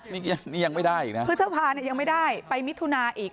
นี่ยังไม่ได้อีกนะพฤษภาเนี่ยยังไม่ได้ไปมิถุนาอีก